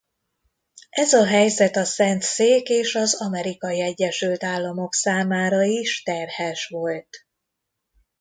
Ez a helyzet a Szentszék és az Amerikai Egyesült Államok számára is terhes volt.